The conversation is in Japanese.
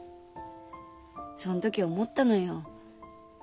そん時思ったのよ。